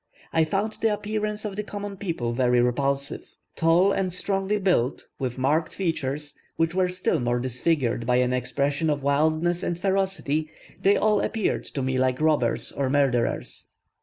I found the appearance of the common people very repulsive. Tall and strongly built, with marked features, which were still more disfigured by an expression of wildness and ferocity, they all appeared to me like robbers or murderers.